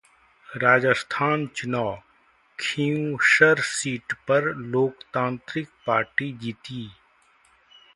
राजस्थान चुनाव: खींवसर सीट पर लोकतांत्रिक पार्टी जीती